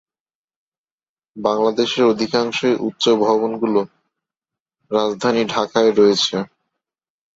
বাংলাদেশের অধিকাংশই উচ্চ ভবনগুলো রাজধানী ঢাকায় রয়েছে।